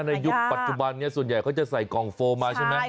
ในยุคปัจจุบันนี้ส่วนใหญ่เขาจะใส่กล่องโฟมมาใช่ไหม